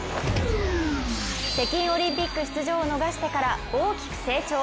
北京オリンピック出場を逃してから大きく成長。